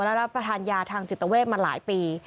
และรับประทานยาทางจิตเวทมาหลายปี